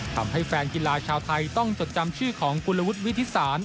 แฟนกีฬาชาวไทยต้องจดจำชื่อของกุลวุฒิวิทธิสาร